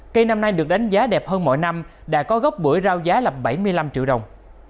cây năm nay được đánh giá đẹp hơn mỗi năm đã có gốc bưởi rau giá là bảy mươi năm triệu đồng